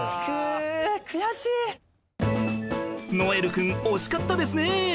如恵留君惜しかったですね